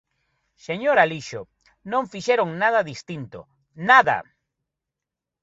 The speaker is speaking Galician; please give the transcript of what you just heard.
Señor Alixo, non fixeron nada distinto, ¡nada!